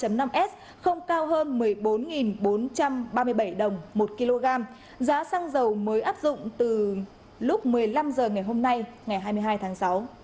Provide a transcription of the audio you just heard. giá bán xăng e năm ron chín mươi hai không cao hơn một mươi bốn bốn trăm ba mươi bảy đồng một kg giá xăng dầu mới áp dụng từ lúc một mươi năm h ngày hôm nay ngày hai mươi hai tháng sáu